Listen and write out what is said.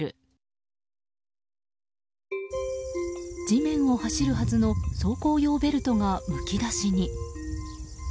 地面を走るはずの走行用ベルトがむき出しに。